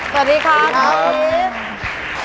สวัสดีครับคุณทิศ